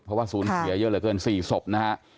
เพราะว่าศูนย์เสียเยอะเหลือเกิน๔ศพนะฮะ